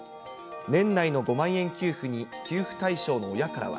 年内の５万円給付に給付対象の親からは。